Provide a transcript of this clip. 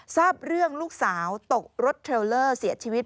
ทราบเรื่องลูกสาวตกรถเทรลเลอร์เสียชีวิต